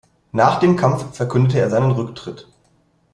Nach dem Kampf verkündete er seinen Rücktritt.